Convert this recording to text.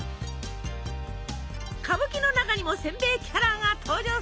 歌舞伎の中にもせんべいキャラが登場するほど！